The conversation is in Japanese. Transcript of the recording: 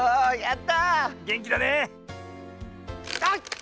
あっ！